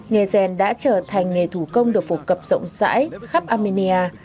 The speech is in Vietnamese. nghề rèn đã trở thành nghề thủ công được phổ cập rộng rãi khắp armenia